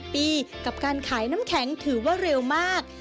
ปีกับการขายน้ำแข็งถือว่าเร็วมาก